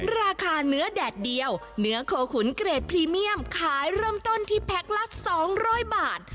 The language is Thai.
ราคาเนื้อแดดเดียวเนื้อโคขุนเกรดพรีเมียมขายเริ่มต้นที่แพ็คละ๒๐๐บาท